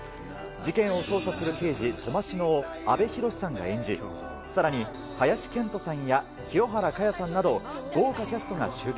事件を捜査する刑事、笘篠を阿部寛さんが演じ、さらに林遣都さんや清原果耶さんなど豪華キャストが集結。